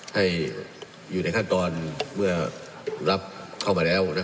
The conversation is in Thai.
ให้อยู่ในขั้นตอนเมื่อรับเข้ามาแล้ว